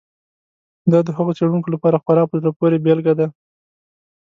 دا د هغو څېړونکو لپاره خورا په زړه پورې بېلګه ده.